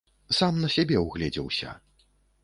Сам на сябе ўгледзеўся.